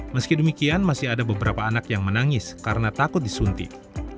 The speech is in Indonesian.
meski demikian masih ada beberapa anak yang menangis karena takut disuntik